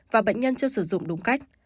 và bệnh nhân chưa sử dụng đúng cách